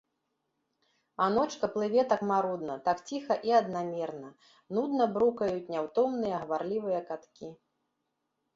А ночка плыве так марудна, так ціха і аднамерна, нудна брукуюць няўтомныя гаварлівыя каткі.